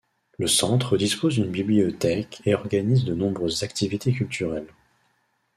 Le Centre dispose d’une bibliothèque et organise de nombreuses activités culturelles.